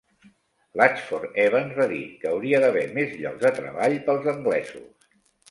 Latchford-Evans va dir que "hauria d'haver més llocs de treball pels anglesos".